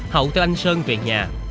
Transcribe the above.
hậu theo anh sơn về nhà